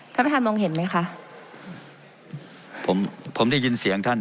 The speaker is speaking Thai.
ถ้าเมื่อทางมองเห็นไหมค่ะผมผมได้ยินเสียงท่าน